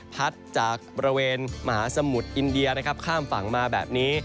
พัดจากบริเวณมหาสมุทรอินเดียนะครับข้ามฝั่งมาแบบนี้